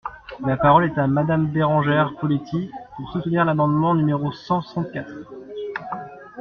La parole est à Madame Bérengère Poletti, pour soutenir l’amendement numéro cent soixante-quatre.